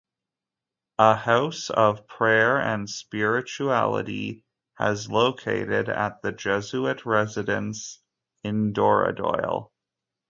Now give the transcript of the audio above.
A House of Prayer and Spirituality has located at the Jesuit Residence in Dooradoyle.